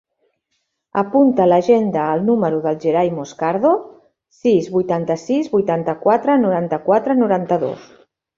Apunta a l'agenda el número del Gerai Moscardo: sis, vuitanta-sis, vuitanta-quatre, noranta-quatre, noranta-dos.